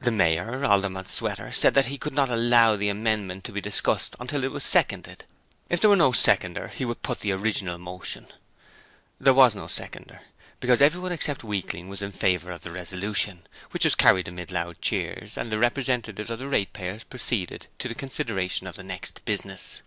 The Mayor, Alderman Sweater, said that he could not allow the amendment to be discussed until it was seconded: if there were no seconder he would put the original motion. There was no seconder, because everyone except Weakling was in favour of the resolution, which was carried amid loud cheers, and the representatives of the ratepayers proceeded to the consideration of the next business.